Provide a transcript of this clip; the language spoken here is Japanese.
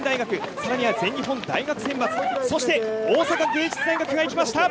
さらに全日本大学選抜そして大阪芸術大学が行きました。